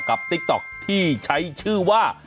ติ๊กต๊อกที่ใช้ชื่อว่า